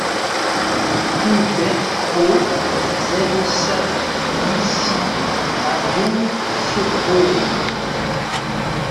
Rue Bertraud, zéro sept, huit cents La Voulte-sur-Rhône